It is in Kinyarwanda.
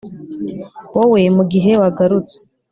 wowe mugihe wagarutse